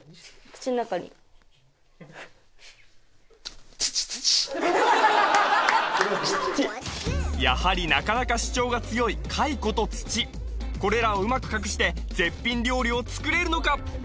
口の中にやはりなかなか主張が強い蚕と土これらをうまく隠して絶品料理を作れるのか？